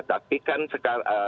tapi kan sekarang